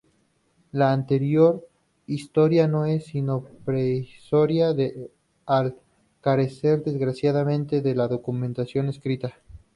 La anterior historia no es sino prehistoria al carecer desgraciadamente de documentación escrita.